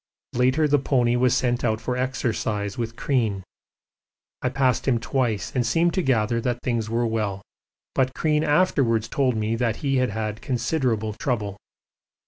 Later the pony was sent out for exercise with Crean. I passed him twice and seemed to gather that things were well, but Crean afterwards told me that he had had considerable trouble.